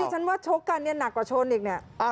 ดูดิฉันว่าชกกันนี่หนักกว่าชนอีกนี่